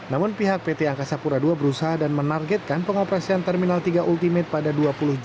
namun pihak pt angkasa pura ii berusaha dan menargetkan pengoperasian terminal tiga ultimate pada dua puluh juni